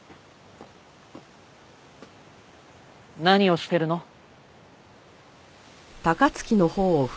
何をしてるの？